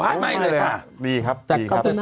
ไม่เลยค่ะดีครับดีครับ